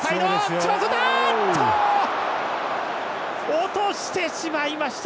落としてしまいました。